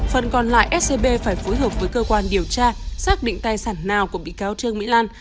phần còn lại scb phải phối hợp với cơ quan điều tra xác định tài sản nào của bị cáo trương mỹ lan